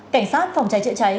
cảnh sát phòng cháy chạy cháy